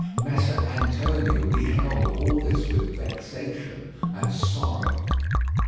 Messer Antonio beheld all this with vexation and sorrow.